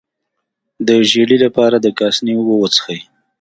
د ژیړي لپاره د کاسني اوبه وڅښئ